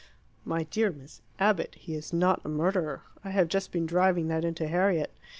"My dear Miss Abbott, he is not a murderer. I have just been driving that into Harriet.